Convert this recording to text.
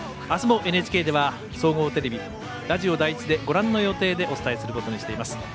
あすもＮＨＫでは総合テレビラジオ第一で、ご覧の予定でお伝えすることにしています。